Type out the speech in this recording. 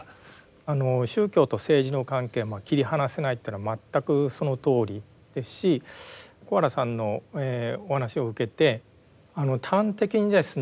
あの宗教と政治の関係まあ切り離せないっていうのは全くそのとおりですし小原さんのお話を受けて端的にですね